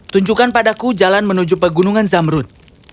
tunjukkan padaku jalan menuju pegunungan zamrut